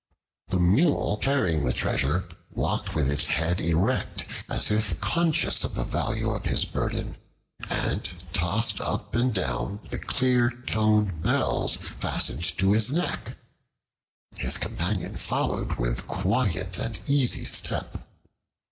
The Mule carrying the treasure walked with head erect, as if conscious of the value of his burden, and tossed up and down the clear toned bells fastened to his neck. His companion followed with quiet and easy step.